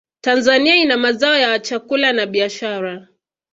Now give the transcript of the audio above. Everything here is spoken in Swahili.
tanzania ina mazao ya chakula na biashara